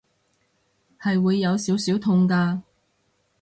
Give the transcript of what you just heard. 係會有少少痛㗎